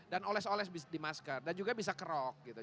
dan oles oles di masker dan juga bisa kerok gitu